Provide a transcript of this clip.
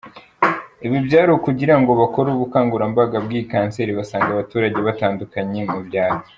Ibi byari ukugira ngo bakore ubukangurambaga bw’iyi cancer basanga abaturage batandukanye mu byaro.